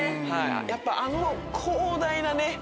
やっぱあの広大なね